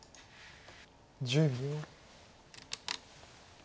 １０秒。